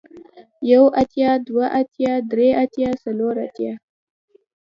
يو اتيا دوه اتيا درې اتيا څلور اتيا